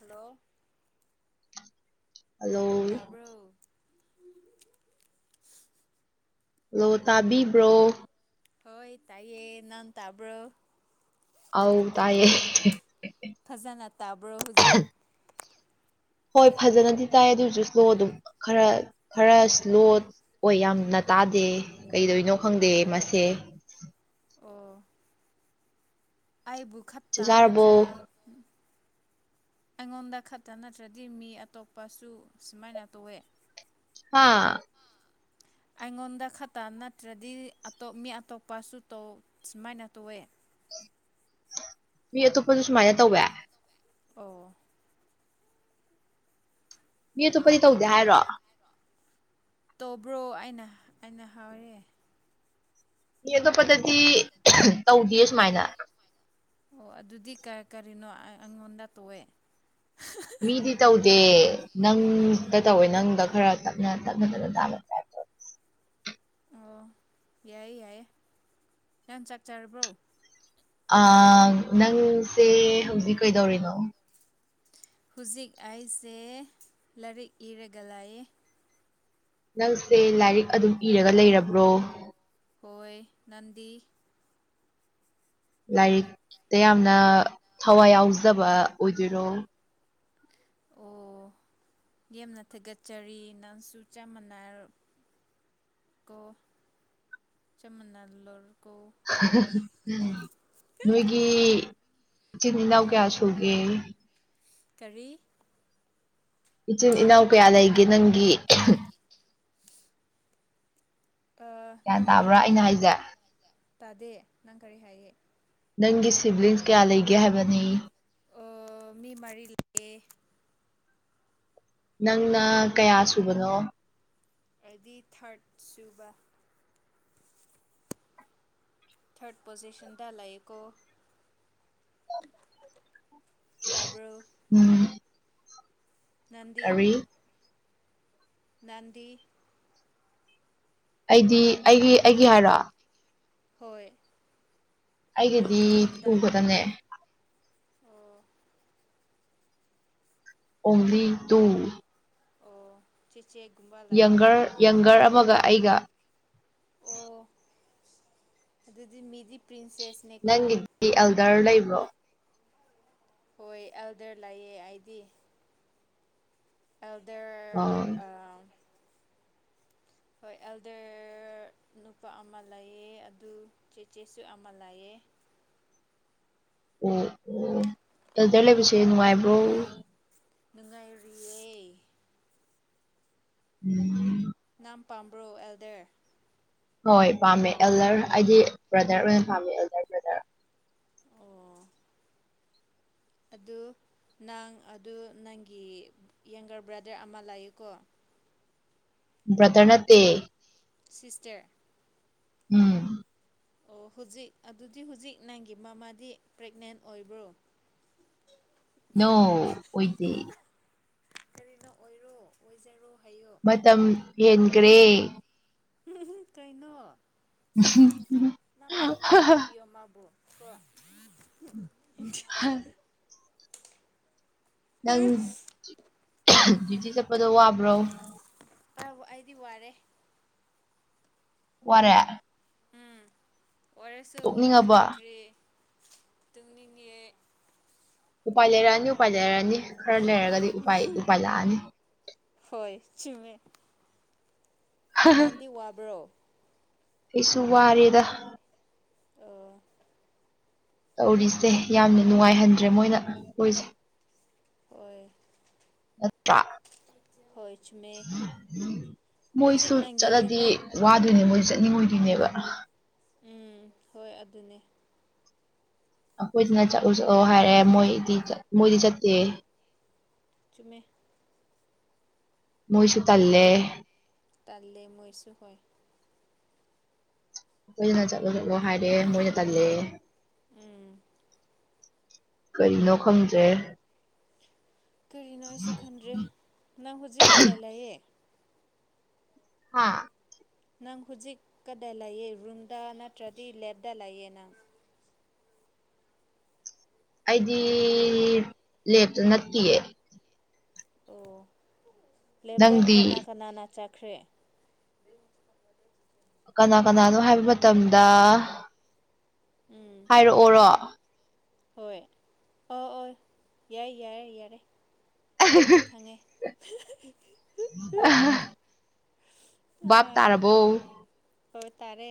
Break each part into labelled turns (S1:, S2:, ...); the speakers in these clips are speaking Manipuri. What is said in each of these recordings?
S1: ꯍꯜꯂꯣ
S2: ꯍꯜꯂꯣ
S1: ꯇꯥꯕ꯭ꯔꯣ
S2: ꯍꯜꯂꯣ ꯇꯥꯕꯤꯕ꯭ꯔꯣ
S1: ꯍꯣꯏ ꯇꯥꯏꯌꯦ ꯅꯪ ꯇꯥꯕ꯭ꯔꯣ
S2: ꯑꯥꯎ ꯇꯥꯏꯌꯦ
S1: ꯐꯖꯅ ꯇꯥꯕ꯭ꯔꯣ ꯍꯧꯖꯤꯛ
S2: ꯍꯣꯏ ꯐꯖꯅꯗꯤ ꯇꯥꯏ ꯑꯗꯨꯁꯨ ꯁꯂꯣ ꯑꯗꯨꯝ ꯈꯔ ꯈꯔ ꯏꯁ꯭ꯂꯣ ꯑꯣꯏ ꯌꯥꯝꯅ ꯇꯥꯗꯦ ꯀꯩꯗꯣꯏꯅꯣ ꯈꯪꯗꯦ
S1: ꯑꯣ
S2: ꯃꯁꯦ
S1: ꯑꯣ ꯑꯩꯕꯨ
S2: ꯆꯥꯛ
S1: ꯈꯠꯇ
S2: ꯆꯥꯔꯕꯣ
S1: ꯅꯠꯇ꯭ꯔ ꯑꯩꯉꯣꯟꯗ ꯈꯛꯇ ꯅꯠꯇ꯭ꯔꯗꯤ ꯃꯤ ꯑꯇꯣꯞꯄꯁꯨ ꯁꯨꯃꯥꯏꯅ ꯇꯧꯋꯦ
S2: ꯑ
S1: ꯍꯥꯥ ꯑꯩꯉꯣꯟꯗ ꯈꯛꯇ ꯅꯠꯇ꯭ꯔꯗꯤ ꯑꯇꯣꯞ ꯃꯤ ꯑꯇꯣꯞꯄꯁꯨꯧ ꯁꯨꯃꯥꯏꯅ ꯇꯧꯋꯦ
S2: ꯃꯤ ꯑꯇꯣꯞꯄꯁꯨ ꯁꯨꯃꯥꯏꯅ ꯇꯧꯋꯦ
S1: ꯑꯣ
S2: ꯃꯤ ꯑꯇꯣꯞꯄꯗꯤ ꯇꯧꯗꯦ ꯍꯥꯏꯔꯣ
S1: ꯇꯧꯕ꯭ꯔꯣ ꯑꯩꯅ ꯑꯩꯅ ꯍꯥꯎꯔꯦ
S2: ꯑꯦ ꯑꯇꯣꯞꯄꯗꯗꯤ ꯇꯧꯗꯦ ꯁꯨꯃꯥꯏꯅ
S1: ꯑꯣ ꯑꯗꯨꯗꯤ ꯀꯔꯤꯅꯣ ꯑꯩꯉꯣꯟꯗ ꯇꯣꯛꯑꯦ
S2: ꯃꯤꯗꯤ ꯇꯧꯗꯦ ꯅꯪꯗ ꯇꯧꯋꯦ ꯅꯪꯗ ꯈꯔ ꯇꯞꯅ ꯇꯞꯅ ꯇꯞꯅ ꯇꯥꯕ ꯇꯥꯏꯞ ꯇꯧꯋꯦ.
S1: ꯑꯣ ꯌꯥꯏꯌꯦ ꯌꯥꯏꯌꯦ ꯅꯪ ꯆꯥꯛ ꯆꯥꯔꯕ꯭ꯔꯣ
S2: ꯑꯥ ꯅꯪꯁꯦ ꯍꯧꯖꯤꯛ ꯀꯩꯗꯧꯔꯤꯅꯣ
S1: ꯍꯨꯖꯤꯛ ꯑꯩꯁꯦ ꯂꯥꯏꯔꯤꯛ ꯏꯔꯒ ꯂꯩꯏ
S2: ꯅꯪꯁꯦ ꯂꯥꯏꯔꯤꯛ ꯑꯗꯨꯝ ꯏꯔꯒ ꯂꯩꯔꯕ꯭ꯔꯣ
S1: ꯍꯣꯏ ꯅꯟꯗꯤ
S2: ꯂꯥꯏꯔꯤꯛꯇ ꯌꯥꯝꯅ ꯊꯋꯥꯏ ꯌꯥꯎꯖꯕ ꯑꯣꯏꯗꯣꯏꯔꯣ
S1: ꯑꯣ ꯌꯥꯝꯅ ꯊꯥꯒꯠꯆꯔꯤ ꯅꯪꯁꯨ ꯆꯞ ꯃꯥꯟꯅꯔ ꯀꯣ ꯆꯃꯟꯅꯜꯂꯨꯨꯔ
S2: ꯅꯣꯏꯒꯤ ꯏꯆꯤꯟ ꯏꯅꯥꯎ ꯀꯌꯥ ꯁꯨꯒꯦ
S1: ꯀꯔꯤ
S2: ꯏꯆꯤꯟ ꯏꯅꯥꯎ ꯀꯌꯥ ꯂꯩꯒꯦ ꯅꯪꯒꯤ ꯒ꯭ꯌꯥꯟ
S1: ꯅꯪ
S2: ꯇꯥꯕ꯭ꯔꯥ ꯑꯩꯅ
S1: ꯅꯪ
S2: ꯍꯥꯏꯁꯦ
S1: ꯇꯥꯗꯦ ꯅꯪ ꯀꯔꯤ ꯍꯥꯏꯌꯦ
S2: ꯅꯪꯒꯤ ꯁꯤꯕ꯭ꯂꯤꯡꯁ ꯀꯌꯥ ꯂꯩꯒꯦ ꯍꯥꯏꯕꯅꯤ
S1: ꯑꯣ ꯃꯤ ꯃꯔꯤ ꯂꯩꯑꯦ
S2: ꯅꯪꯅ ꯀꯌꯥ ꯁꯨꯕꯅꯣ
S1: ꯑꯩꯗꯤ ꯊꯔ꯭ꯠ ꯁꯨꯕ ꯊꯔꯠ ꯄꯣꯖꯤꯁꯟꯗ ꯂ ꯇꯥꯕ꯭ꯔꯣ
S2: ꯎꯝ
S1: ꯅꯪꯗꯤ
S2: ꯀꯔꯤ
S1: ꯅꯪꯗꯤ
S2: ꯑꯩꯗꯤ ꯑꯩꯒꯤ ꯑꯩꯒꯤ ꯍꯥꯏꯔꯣ
S1: ꯍꯣꯏ
S2: ꯑꯩꯒꯤꯗꯤ
S1: ꯅꯪꯒꯤ
S2: ꯇꯨ
S1: ꯌꯨꯝꯗ
S2: ꯈꯛꯇꯅꯦ
S1: ꯑꯣ
S2: ꯑꯣꯟꯂꯤ ꯇꯨ
S1: ꯆꯦꯆꯦ ꯒꯨꯝꯕ ꯂꯥꯏꯕ꯭ꯔꯣ
S2: ꯌꯪꯒꯔ ꯌꯪꯒꯔ ꯑꯃꯒ ꯑꯩꯒ
S1: ꯑꯣ ꯑꯗꯨꯗꯤ ꯃꯤꯗꯤ ꯄ꯭ꯔꯤꯟꯁꯦꯁꯅꯦꯀꯣ
S2: ꯅꯪꯒꯤꯗꯤ ꯑꯦꯜꯗꯔ ꯂꯩꯕ꯭ꯔꯣ
S1: ꯍꯣꯏ ꯑꯦꯜꯗꯔ ꯂꯩꯌꯦ ꯑꯩꯗꯤ ꯑꯦꯜꯗꯔ ꯑ ꯍꯣꯏ ꯑꯦꯜꯗꯔ ꯅꯨꯄꯥ ꯑꯃ ꯂꯩꯌꯦ ꯑꯗꯨ ꯆꯦꯆꯦꯁꯨ ꯑꯃ ꯂꯩꯌꯦ
S2: ꯑꯣ ꯑꯣ ꯑꯦꯜꯗꯔ
S1: ꯍꯣꯏ
S2: ꯂꯩꯕꯁꯦ ꯅꯨꯡꯉꯥꯏꯕ꯭ꯔꯣ
S1: ꯅꯨꯡꯉꯥꯏꯔꯤꯌꯦ
S2: ꯎꯝ
S1: ꯅꯪ ꯄꯥꯝꯕ꯭ꯔꯣ ꯑꯦꯜꯗꯔ
S2: ꯍꯣꯏ ꯄꯥꯝꯃꯦ ꯑꯦꯜꯗꯔ ꯍꯥꯏꯗꯤ ꯕ꯭ꯔꯗꯔ ꯑꯣꯏꯅ ꯄꯥꯝꯃꯦ ꯑꯦꯜꯗꯔ ꯕ꯭ꯔꯗꯔ
S1: ꯑꯣ ꯑꯗꯨ ꯅꯪ ꯑꯗꯨ ꯅꯪꯒꯤ ꯌꯪꯒꯔ ꯕ꯭ꯔꯗꯔ ꯑꯃ ꯂꯥꯛꯑꯀꯣ
S2: ꯭ꯕꯔꯗꯔ ꯅꯠꯇꯦ
S1: ꯁꯤꯁꯇꯔ
S2: ꯎꯝ
S1: ꯑꯣ ꯍꯧꯖꯤꯛ ꯑꯗꯨꯗꯤ ꯍꯧꯖꯤꯛ ꯅꯪꯒꯤ ꯃꯃꯥꯗꯤ ꯄ꯭ꯔꯦꯒꯅꯦꯟ ꯑꯣꯏꯕ꯭ꯔꯣ
S2: ꯅꯣ ꯑꯣꯏꯗꯦ
S1: ꯀꯔꯤꯅꯣ ꯑꯣꯏꯔꯣ ꯑꯣꯏꯖꯔꯣ ꯍꯥꯏꯌꯣ
S2: ꯃꯇꯝ ꯍꯦꯟꯒ꯭ꯔꯦ
S1: ꯀꯩꯅꯣ ꯅꯪ ꯅꯪ ꯄꯥꯝꯃꯦ ꯍꯥꯏꯕꯤꯌꯣ ꯃꯥꯕꯨ ꯑ
S2: [unintelligible] ꯅꯪ ꯗ꯭ꯌꯨꯇꯤ ꯆꯠꯄꯗꯣ ꯋꯥꯕ꯭ꯔꯣ
S1: ꯑꯧ ꯑꯩꯗꯤ ꯋꯥꯔꯦ
S2: ꯋꯥꯔꯦ
S1: ꯑꯣꯏꯔꯁꯨ ꯎꯄꯥꯢ
S2: ꯇꯣꯛꯅꯤꯡꯉꯕꯣ
S1: ꯂꯩꯇ꯭ꯔꯤ ꯇꯨꯝꯅꯤꯡꯂꯦ
S2: ꯎꯄꯥꯏ ꯂꯩꯔꯛꯑꯅꯤ ꯎꯄꯥꯏ ꯂꯩꯔꯛꯑꯅꯤ ꯈꯔ ꯂꯩꯔꯒꯗꯤ ꯎꯄꯥꯏ ꯎꯄꯥꯏ ꯂꯥꯛꯑꯅꯤ
S1: ꯍꯣꯏ ꯆꯨꯝꯃꯦ ꯅꯪꯗꯤ ꯋꯥꯕ꯭ꯔꯣ
S2: ꯑꯩꯁꯨ ꯋꯥꯔꯦꯗ
S1: ꯑꯣ
S2: ꯇꯧꯔꯤꯁꯦ ꯌꯥꯝꯅ ꯅꯨꯡꯉꯥꯏꯍꯟꯗ꯭ꯔꯦ ꯃꯣꯏꯅ ꯈꯣꯏꯁꯦ
S1: ꯍꯣꯏ
S2: ꯅꯠꯇ
S1: ꯍꯣꯏ ꯆꯨꯝꯃꯦ ꯍꯧꯖꯤꯛ
S2: ꯃꯣꯏꯁꯨ
S1: ꯅꯪꯒꯤ
S2: ꯆꯠꯂꯗꯤ
S1: ꯔꯨꯝꯃꯦꯠ
S2: ꯋꯥꯗꯣꯏꯅꯦ ꯃꯣꯏ ꯆꯠꯅꯤꯡꯉꯣꯏꯗꯣꯏꯅꯦꯕ
S1: ꯎꯝ ꯍꯣꯏ ꯑꯗꯨꯅꯦ
S2: ꯑꯩꯈꯣꯏꯗꯅ ꯆꯠꯂꯨ ꯆꯠꯂꯎ ꯍꯥꯏꯔꯦ ꯃꯣꯏꯗꯤ ꯃꯣꯏꯗꯤ ꯆꯠꯇꯦ
S1: ꯆꯨꯝꯃꯦ
S2: ꯃꯣꯏꯁꯨ ꯊꯜꯂꯦ
S1: ꯇꯥꯩꯂꯣ ꯃꯣꯏꯁꯨꯈꯣꯏ
S2: ꯑꯩꯈꯣꯏꯁꯤꯅ ꯆꯠꯂꯣ ꯆꯠꯂꯣ ꯍꯥꯏꯔꯦ ꯃꯣꯏꯅ ꯇꯜꯂꯦ
S1: ꯎꯝ
S2: ꯀꯔꯤꯅꯣ ꯈꯪꯗ꯭ꯔꯦ
S1: ꯀꯔꯤꯅꯣ ꯑꯩꯁꯨ ꯈꯟꯗ꯭ꯔꯦ ꯅꯪ ꯍꯧꯖꯤꯛ ꯀꯗꯥꯏ ꯂꯥꯛꯑꯦ
S2: ꯍꯥ
S1: ꯅꯪ ꯍꯧꯖꯤꯛꯀꯗ ꯂꯩꯌꯦ ꯔꯨꯝꯗ ꯅꯠꯇ꯭ꯔꯗꯤ ꯂꯦꯞꯇ ꯂꯩꯑ ꯅꯪ
S2: ꯑꯩꯗꯤ ꯂꯦꯞꯇ ꯅꯠꯇꯦꯌꯦ
S1: ꯑꯣ ꯂꯦꯞꯗꯦꯛ
S2: ꯅꯪꯗꯤ
S1: ꯀꯅꯥ ꯀꯅꯥꯅ ꯆꯥꯈ꯭ꯔꯦ
S2: ꯀꯅꯥ ꯀꯅꯥꯅꯣ ꯍꯥꯏꯕ ꯃꯇꯝꯗ
S1: ꯎꯝ
S2: ꯍꯥꯏꯔꯛꯑꯣꯔꯣ
S1: ꯍꯣꯏ ꯑ ꯑꯣ ꯌꯥꯏ ꯌꯥꯔꯦ ꯌꯥꯔꯦ ꯑꯩ ꯈꯪꯉꯦ [unintelligible]
S2: ꯕꯥꯞ
S1: ꯑꯥ
S2: ꯇꯥꯔꯕꯣ
S1: ꯍꯣꯏ ꯇꯥꯔꯦ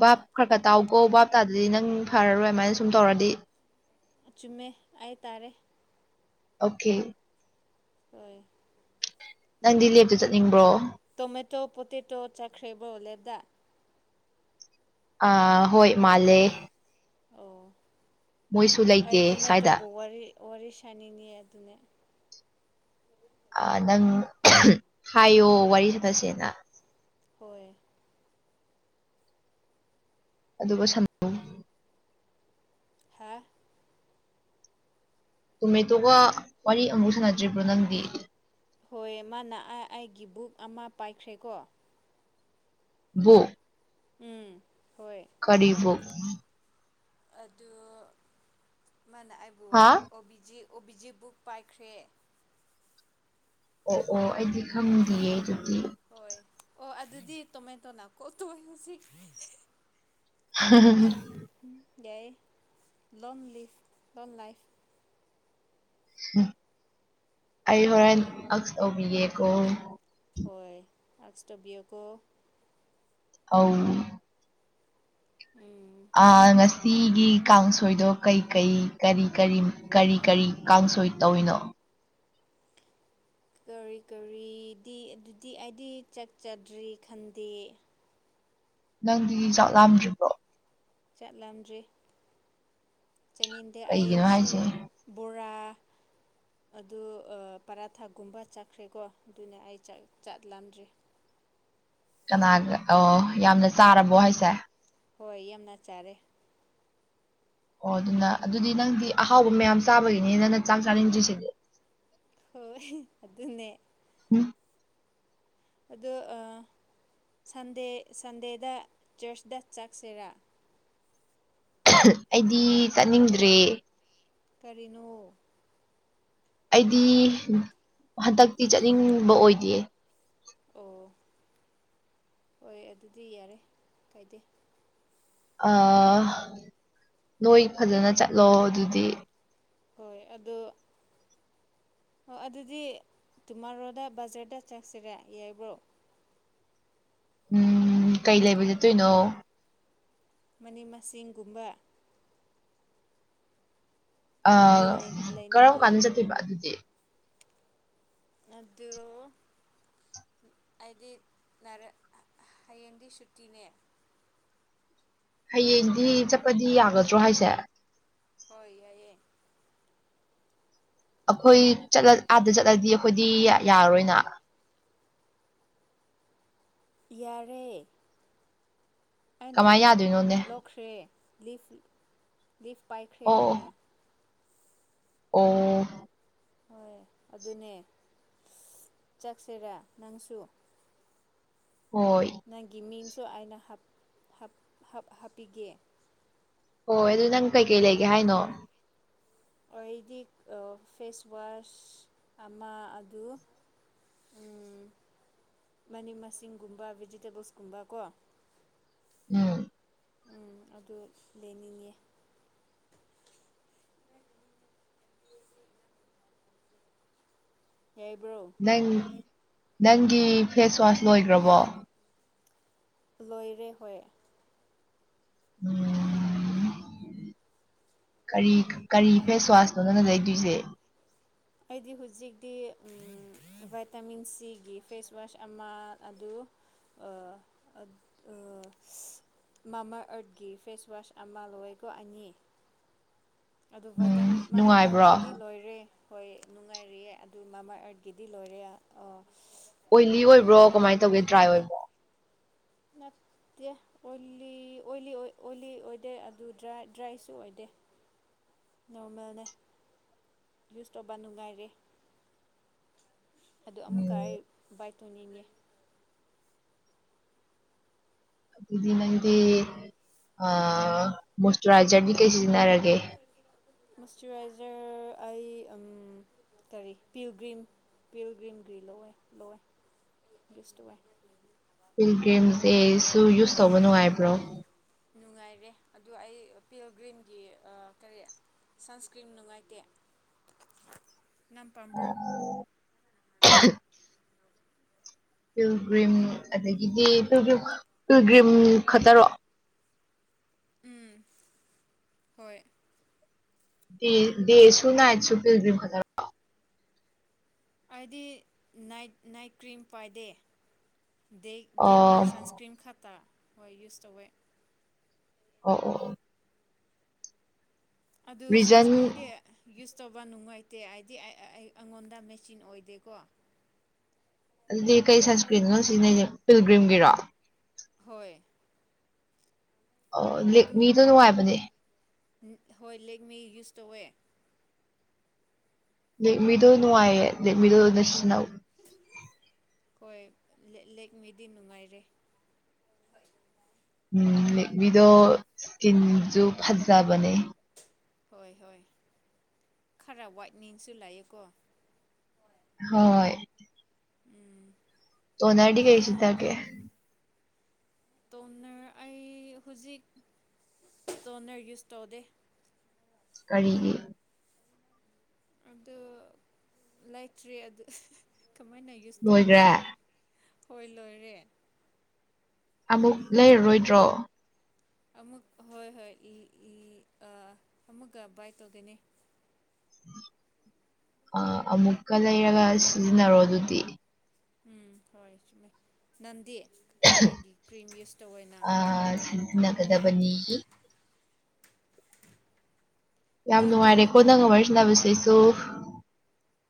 S2: ꯕꯥꯞ ꯈꯔ ꯈꯔ ꯇꯥꯎꯈꯣ ꯕꯥꯞ ꯇꯥꯗꯗꯤ ꯅꯪ ꯐꯔꯔꯣꯏ ꯑꯗꯨꯃꯥꯏꯅ ꯁꯨꯝ ꯇꯧꯔꯗꯤ
S1: ꯆꯨꯝꯃꯦ ꯍꯥꯏꯇꯥꯔꯦ
S2: ꯑꯣꯀꯦ
S1: ꯍꯣꯏ
S2: ꯅꯪꯗꯤ ꯂꯦꯞꯇ ꯆꯠꯅꯤꯡꯕ꯭ꯔꯣ
S1: ꯇꯣꯃꯦꯇꯣ ꯄꯣꯇꯦꯇꯣ ꯆꯥꯈ꯭ꯔꯦꯕ꯭ꯔꯣ ꯂꯦꯞꯗꯥ
S2: ꯑ ꯍꯣꯏ ꯃꯥꯂꯦ
S1: ꯑꯣ
S2: ꯃꯣꯏꯁꯨ
S1: ꯑꯩ
S2: ꯂꯩꯇꯦ ꯁ꯭ꯋꯥꯏꯗ
S1: ꯇꯣꯃꯦꯇꯣꯕꯨ ꯋꯥꯔꯤ ꯁꯥꯅꯤꯡꯅꯤ ꯑꯗꯨꯅꯦ
S2: ꯅꯪ ꯍꯥꯏꯌꯣ ꯋꯥꯔꯤ ꯁꯅꯁꯦꯅ
S1: ꯍꯣꯏ
S2: ꯑꯗꯨꯒ
S1: ꯍꯥ
S2: ꯇꯣꯃꯦꯇꯣꯒ ꯋꯥꯔꯤ ꯑꯃꯨꯛ ꯁꯥꯟꯅꯗ꯭ꯔꯤꯕ꯭ꯔꯣ ꯅꯪꯗꯤ
S1: ꯍꯣꯏ ꯃꯥꯅ ꯑꯩꯒꯤ ꯕꯨꯛ ꯑꯃ ꯄꯥꯏꯈ꯭ꯔꯦꯀꯣ
S2: ꯕꯨ
S1: ꯎꯝ ꯍꯣꯏ
S2: ꯀꯔꯤꯕꯨ
S1: ꯑꯗꯨ ꯃꯥꯅ ꯑꯩꯕꯨ
S2: ꯍꯥ
S1: ꯑꯣ ꯕꯤꯖꯤ ꯕꯨꯛ ꯄꯥꯏꯈ꯭ꯔꯦ
S2: ꯑꯣ ꯑꯣ ꯑꯩꯗꯤ ꯈꯪꯗꯌꯦ ꯑꯗꯨꯗꯤ
S1: ꯍꯣꯏ ꯑꯣ ꯑꯗꯨꯗꯤ ꯇꯣꯃꯦꯟ ꯇꯣꯅ ꯀꯣ ꯇ ꯍꯧꯖꯤꯛ ꯌꯥꯏ ꯂꯣꯟ ꯂꯤꯐ ꯂꯣꯟ ꯂꯥꯏꯐ
S2: ꯎ ꯑꯩ ꯍꯣꯔꯦꯟ ꯑꯁ ꯑꯣꯕꯤꯌꯦꯀꯣ
S1: ꯍꯣꯏ ꯑꯁꯇꯧꯕꯤꯌꯣ ꯀꯧ
S2: ꯑꯧ
S1: ꯎꯝ
S2: ꯉꯁꯤꯒꯤ ꯀꯥꯡꯁꯣꯏꯗꯣ ꯀꯩ ꯀꯩ ꯀꯔꯤ ꯀꯔꯤ ꯀꯔꯤ ꯀꯔꯤ ꯀꯥꯡꯁꯣꯏ ꯇꯧꯅꯣ
S1: ꯀꯔꯤ ꯀꯔꯤꯗꯤ ꯑꯗꯨꯗꯤ ꯑꯩꯗꯤ ꯆꯠꯆꯗ꯭ꯔꯤ ꯈꯟꯗꯦ
S2: ꯅꯪꯗꯤꯗꯤ ꯆꯥꯛ ꯂꯥꯝꯗ꯭ꯔꯤꯕ꯭ꯔꯣ
S1: ꯆꯠꯂꯝꯗ꯭ꯔꯤ ꯆꯠꯅꯤꯡꯗꯦ ꯑꯩ
S2: ꯀꯩꯒꯤꯅꯣ
S1: ꯁꯤꯡ
S2: ꯍꯥꯏꯁꯦ
S1: ꯕꯣꯔꯥ ꯑꯗꯨ ꯑ ꯄꯥꯔꯥꯊꯥꯒꯨꯝꯕ ꯆꯠꯈ꯭ꯔꯦꯀꯣ ꯑꯗꯨꯅ ꯑꯩ ꯆꯥꯛ ꯆꯥꯛꯂꯥꯝꯗ꯭ꯔꯦ
S2: ꯀꯅꯥꯒ ꯑꯣ ꯌꯥꯝꯅ ꯆꯥꯔꯕꯣ ꯍꯥꯏꯁꯦ
S1: ꯍꯣꯏ ꯌꯥꯝꯅ ꯆꯥꯔꯦ
S2: ꯑꯣ ꯑꯗꯨꯅ ꯑꯗꯨꯗꯤ ꯅꯪꯗꯤ ꯑꯍꯥꯎꯕ ꯃꯌꯥꯝ ꯆꯥꯕꯒꯤꯅꯤꯅ ꯅꯪ ꯆꯥꯛ ꯆꯥꯅꯤꯡꯗ꯭ꯔꯤꯁꯤꯗꯤ
S1: ꯍꯣꯏ ꯑꯗꯨꯅꯦ
S2: ꯎꯝ
S1: ꯑꯗꯣ ꯑ ꯁꯟꯗꯦ ꯁꯟꯗꯦꯗ ꯆꯔꯆꯇ ꯆꯠꯁꯤꯔꯥ
S2: ꯑꯩꯗꯤ ꯆꯠꯅꯤꯡꯗ꯭ꯔꯦ
S1: ꯀꯔꯤꯅꯣ
S2: ꯑꯩꯗꯤ ꯍꯟꯗꯛꯇꯤ ꯆꯠꯅꯤꯡꯕ ꯑꯣꯏꯗꯦ
S1: ꯑꯣ ꯍꯣꯏ ꯑꯗꯨꯗꯤ ꯌꯥꯔꯦ ꯀꯥꯏꯗꯦ
S2: ꯑ ꯅꯣꯏ ꯐꯖꯅ ꯆꯠꯂꯣ ꯑꯗꯨꯗꯤ
S1: ꯍꯣꯏ ꯑꯗꯣ ꯍꯣ ꯑꯗꯨꯗꯤ ꯇꯨꯃꯥꯔꯣꯗ ꯕꯖꯔꯗ ꯆꯠꯁꯤꯔꯦ ꯌꯥꯏꯕ꯭ꯔꯣ
S2: ꯎꯝ ꯀꯩ ꯂꯩꯕ ꯆꯠꯇꯣꯏꯅꯣ
S1: ꯃꯅꯤ ꯃꯁꯤꯡꯒꯨꯝꯕ
S2: ꯑ
S1: ꯑꯩ
S2: ꯀꯔꯝ
S1: ꯂꯩꯅꯤꯡꯉꯦ
S2: ꯀꯥꯟꯗ
S1: ꯍꯣꯏ
S2: ꯆꯠꯇꯣꯏꯕ ꯑꯗꯨꯗꯤ
S1: ꯑꯗꯨ ꯑꯩꯗꯤ ꯅꯔꯛ ꯍꯌꯦꯡꯗꯤ ꯁꯨꯇꯤꯅꯦ
S2: ꯍꯌꯦꯡꯗꯤ ꯆꯠꯄꯗꯤ ꯌꯥꯒꯗ꯭ꯔꯣ ꯍꯥꯏꯁꯦ
S1: ꯍꯣꯏ ꯌꯥꯏꯑꯦ
S2: ꯑꯩꯈꯣꯏꯠ ꯆꯠꯂ ꯑꯥꯗ ꯆꯠꯂꯗꯤ ꯑꯩꯈꯣꯏꯗꯤ ꯌꯥꯔꯔꯣꯏꯅ
S1: ꯌꯥꯔꯦ ꯑꯩꯅ
S2: ꯀꯃꯥꯏ
S1: ꯂꯤꯐ
S2: ꯌꯥꯗꯣꯏꯅꯣꯅꯦ
S1: ꯂꯧꯈ꯭ꯔꯦ ꯂꯤꯐ ꯂꯤꯐ ꯄꯥꯏꯈ꯭ꯔꯦ
S2: ꯑꯣ
S1: ꯑꯩꯅ
S2: ꯑꯣ
S1: ꯍꯣꯏ ꯑꯗꯨꯅꯦ ꯆꯠꯁꯤꯔꯥ ꯅꯪꯁꯨ
S2: ꯍꯣꯏ
S1: ꯅꯪꯒꯤ ꯃꯤꯡꯁꯨ ꯑꯩꯅ ꯍꯥꯞ ꯍꯥꯞ ꯍꯥꯞ ꯍꯥꯞꯄꯤꯒꯦ
S2: ꯍꯣꯏ ꯑꯗꯨ ꯅꯪ ꯀꯩꯀꯩ ꯂꯩꯒꯦ ꯍꯥꯏꯅꯣ
S1: ꯑꯣꯏꯗꯤꯛ ꯑ ꯐꯦꯁ ꯋꯥꯁ ꯑꯃ ꯑꯗꯨ ꯎꯝ ꯃꯅꯤꯡ ꯃꯁꯤꯡꯒꯨꯝꯕ ꯚꯦꯖꯤꯇꯦꯕꯜꯁꯀꯨꯝꯕ ꯀꯣ
S2: ꯎꯝ
S1: ꯎꯝ ꯑꯗꯨ ꯂꯩꯅꯤꯡꯉꯦ ꯌꯥꯏꯕ꯭ꯔꯣ
S2: ꯅꯪ ꯅꯪꯒꯤ ꯐꯦꯁꯋꯥꯁ ꯂꯣꯏꯒ꯭ꯔꯕꯣ
S1: ꯂꯣꯏꯔꯦ ꯍꯣꯏ
S2: ꯎꯝ ꯀꯔꯤ ꯀꯔꯤ ꯐꯦꯁ ꯋꯥꯁꯅꯣ ꯅꯪꯅ ꯂꯩꯗꯣꯏꯖꯦ
S1: ꯑꯩꯗꯤ ꯍꯨꯖꯤꯛꯇꯤ ꯎꯝ ꯚꯥꯏꯇꯥꯃꯤꯟ ꯁꯤꯒꯤ ꯐꯦꯁ ꯋꯥꯁ ꯑꯃ ꯑꯗꯨ ꯑ ꯑ ꯑ ꯃꯥꯃꯥꯑꯔꯠꯀꯤ ꯐꯦꯁꯋꯥꯁ ꯑꯃ ꯂꯣꯏꯀꯣ ꯑꯅꯤ ꯑꯗꯨ ꯚꯥꯏꯇꯥꯃꯤꯟ
S2: ꯎꯝ
S1: ꯃꯃꯥꯑꯥꯔꯠꯒꯤꯗꯤ
S2: ꯅꯨꯡꯉꯥꯏꯕ꯭ꯔꯣ
S1: ꯂꯣꯏꯔꯦ ꯍꯣꯏ ꯅꯨꯡꯉꯥꯏꯔꯤꯑꯦ ꯑꯗꯨ ꯃꯃꯥꯑꯥꯔꯠꯀꯤꯗꯤ ꯂꯣꯏꯔꯦ ꯑꯣ
S2: ꯑꯣꯏꯂꯤ ꯑꯣꯏꯕ꯭ꯔꯣ ꯀꯃꯥꯏ ꯇꯧꯒꯦ ꯗ꯭ꯔꯥꯏ ꯑꯣꯏꯕ꯭ꯔꯣ
S1: ꯅꯠ ꯇꯦ ꯑꯣꯜꯂꯤ ꯑꯣꯏꯂꯤ ꯑꯣꯏ ꯑꯣꯏꯂꯤ ꯑꯣꯏꯗꯦ ꯑꯗꯨ ꯗ꯭ꯔꯥꯏ ꯗ꯭ꯔꯥꯏꯁꯨ ꯑꯣꯏꯗꯦ ꯅꯣꯔꯃꯦꯜꯅꯦ ꯌꯨꯁ ꯇꯧꯕ ꯅꯨꯡꯉꯥꯏꯔꯦ ꯑꯗꯨ ꯑꯃꯨꯛꯀ ꯑꯩ
S2: ꯎꯝ
S1: ꯕꯥꯏ ꯇꯧꯅꯤꯡꯉꯦ
S2: ꯑꯗꯨꯗꯤ ꯅꯪꯗꯤ ꯑ ꯃꯣꯏꯆꯔꯥꯏꯖꯔꯗꯤ ꯀꯩ ꯁꯤꯖꯤꯟꯅꯔꯒꯦ
S1: ꯃꯣꯏꯁꯆꯔꯥꯏꯖꯔ ꯑꯩ ꯎꯝ ꯀꯔꯤ ꯄꯤꯜꯒ꯭ꯔꯤꯝ ꯄꯤꯜꯒ꯭ꯔꯤꯝꯒꯤ ꯂꯧꯋꯦ ꯂꯧꯋꯦ ꯌꯨꯁ ꯇꯧꯋꯦ
S2: ꯄꯤꯜꯒ꯭ꯔꯤꯝꯁꯦ ꯁꯨ ꯌꯨꯁ ꯇꯧꯕ ꯅꯨꯡꯉꯥꯏꯕ꯭ꯔꯣ
S1: ꯅꯨꯡꯉꯥꯏꯔꯦ ꯑꯗꯨ ꯑꯩ ꯄꯤꯜꯒ꯭ꯔꯤꯝꯒꯤ ꯑꯥ ꯀꯔꯤ ꯁꯟꯁꯀ꯭ꯔꯤꯟ ꯅꯨꯡꯉꯥꯏꯇꯦ ꯅꯪ ꯄꯥꯝꯕ꯭ꯔꯣ
S2: ꯄꯤꯜꯒ꯭ꯔꯤꯝ ꯑꯗꯒꯤꯗꯤ ꯄꯤꯜꯒꯔꯤꯝ ꯄꯤꯜꯒ꯭ꯔꯤꯝ ꯈꯛꯇꯔꯣ
S1: ꯎꯝ ꯍꯣꯏ
S2: ꯗꯦꯁꯨꯨ ꯅꯥꯥꯏꯠꯁꯨꯨ ꯄꯤꯜꯒꯔꯤꯝ ꯈꯛꯇꯂꯣ
S1: ꯑꯩꯗꯤ ꯅꯥꯏꯠ ꯅꯥꯏꯠ ꯀ꯭ꯔꯤꯝ ꯄꯥꯏꯗꯦ ꯗꯦ ꯗꯦ ꯀ꯭ꯔꯤꯝ ꯁꯟꯁꯀ
S2: ꯑꯣ
S1: ꯀ꯭ꯔꯤꯝ ꯈꯛꯇ ꯍꯣꯏ ꯌꯨꯁ ꯇꯧꯋꯦ
S2: ꯑꯣ ꯑꯣ ꯑꯣ
S1: ꯑꯗꯨ
S2: ꯔꯤꯖꯟ
S1: ꯁꯟꯁꯀ꯭ꯔꯤꯟ ꯗꯤ ꯌꯨꯁ ꯇꯧꯕ ꯅꯨꯡꯉꯥꯏꯇꯦ ꯍꯥꯏꯗꯤ ꯑꯩ ꯑꯩꯉꯣꯟꯗ ꯃꯦꯆꯤꯟ ꯑꯣꯏꯗꯦꯀꯣ
S2: ꯑꯗꯨꯗꯤ ꯀꯩ ꯁꯟꯁꯀ꯭ꯔꯤꯟꯅꯣ ꯅꯪ ꯁꯤꯖꯤꯟꯅꯩꯁꯦ ꯄꯤꯜꯒ꯭ꯔꯤꯝꯒꯤꯔꯣ
S1: ꯍꯣꯏ
S2: ꯑꯣ
S1: ꯑꯗꯨ
S2: ꯂꯦꯛꯃꯤꯗꯣ ꯅꯨꯡꯉꯥꯏꯕꯅꯦ
S1: ꯍꯣꯏ ꯂꯦꯛꯃꯤ ꯌꯨꯁ ꯇꯧꯋꯦ
S2: ꯂꯦꯛꯃꯤꯗꯣ ꯅꯨꯡꯉꯥꯏꯌꯦ ꯂꯦꯛꯃꯤꯗꯣ ꯑꯣꯏꯅ ꯁꯤꯅꯧ
S1: ꯍꯣꯏ ꯂꯦꯛꯃꯤꯗꯤ ꯅꯨꯡꯉꯥꯏꯔꯦ
S2: ꯎꯝ ꯂꯤꯛꯕꯤꯗꯣ ꯏꯁꯀꯤꯟꯁꯨ ꯐꯖꯕꯅꯦ
S1: ꯍꯣꯏ ꯍꯣꯏ ꯈꯔ ꯋꯥꯏꯠꯅꯤꯡꯁꯨ ꯂꯩꯑꯦꯀꯣ
S2: ꯍꯣꯏ
S1: ꯎꯝ
S2: ꯇꯣꯅꯔꯗꯤ ꯀꯩ ꯁꯤꯅꯒꯦ
S1: ꯇꯣꯅꯔ ꯑꯩ ꯍꯧꯖꯤꯛ ꯇꯣꯅꯔ ꯌꯨꯁ ꯇꯧꯗꯦ
S2: ꯀꯔꯤꯒꯤ
S1: ꯑꯗꯨ ꯂꯩꯇ꯭ꯔꯤ ꯑꯗꯨ ꯀꯃꯥꯏꯅ ꯌꯨꯁ ꯇꯧꯒꯦ
S2: ꯂꯣꯏꯒ꯭ꯔꯦ
S1: ꯍꯣꯏ ꯂꯣꯏꯔꯦ
S2: ꯑꯃꯨꯛ ꯂꯩꯔꯔꯣꯏꯗ꯭ꯔꯣ
S1: ꯑꯃꯛ ꯍꯣꯏ ꯍꯣꯏ ꯂꯤ ꯂꯤ ꯑ ꯑꯃꯨꯛꯀ ꯕꯥꯏ ꯇꯧꯗꯣꯏꯅꯦ
S2: ꯑ ꯑꯃꯨꯛꯀ ꯂꯩꯔꯒ ꯁꯤꯖꯤꯟꯅꯔꯣ ꯑꯗꯨꯗꯤ
S1: ꯎꯝ ꯍꯣꯏ ꯆꯨꯝꯃꯦ ꯅꯪꯗꯤ ꯀꯔꯤꯒꯤ ꯀ꯭ꯔꯤꯝ ꯌꯨꯁ ꯇꯧꯋꯦ ꯅꯪ
S2: ꯈꯟꯅꯒꯗꯕꯅꯤ ꯌꯥꯝ
S1: ꯅꯪ ꯀꯔꯤ
S2: ꯅꯨꯡꯉꯥꯏꯔꯦꯀꯣ ꯅꯪꯒ ꯋꯥꯔꯤ ꯁꯥꯟꯕꯁꯤꯁꯨ